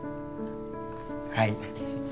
はい。